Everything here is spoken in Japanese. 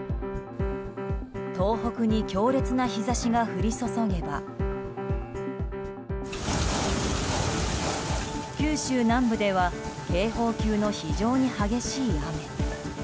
東北に強烈な日差しが降り注げば九州南部では警報級の非常に激しい雨。